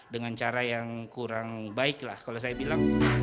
dengan cara yang kurang baik lah kalau saya bilang